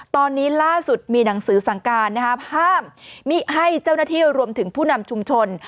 ตอนนี้ล่าสุดมีหนังสือสั่งการห้ามมิให้เจ้าหน้าที่รวมถึงผู้นำชุมชน